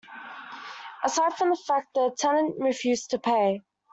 Aside from the fact, the tenant refused to pay.